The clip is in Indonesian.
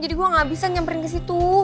jadi gue gak bisa nyamperin kesitu